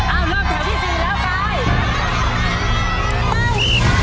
อ้าวเริ่มเจอที่สี่แล้วกาย